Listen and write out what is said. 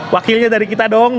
wakilnya dari kita dong